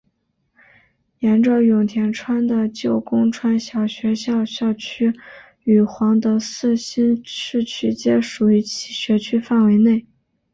沿着永田川的旧宫川小学校校区与皇德寺新市区皆属于其学区范围内。